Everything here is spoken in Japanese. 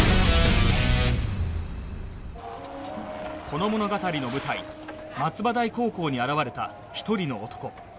この物語の舞台松葉台高校に現れた１人の男